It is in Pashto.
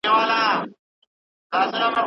بنسټیزه څېړنه د ټولني لپاره ګټوره ده.